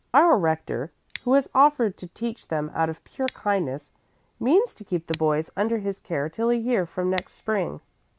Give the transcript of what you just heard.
Our rector, who has offered to teach them out of pure kindness, means to keep the boys under his care till a year from next spring.